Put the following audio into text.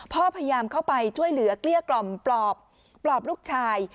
พยายามเข้าไปช่วยเหลือเกลี้ยกล่อมปลอบปลอบลูกชาย